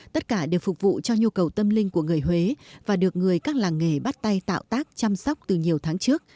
tất cả đều phục vụ cho nhu cầu tâm linh của người huế và được người các làng nghề bắt tay tạo tác chăm sóc từ nhiều tháng trước